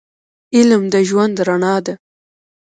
علم د ژوند رڼا ده